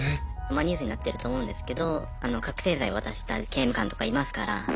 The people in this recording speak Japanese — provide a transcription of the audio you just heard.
まあニュースになってると思うんですけど覚醒剤渡した刑務官とかいますから。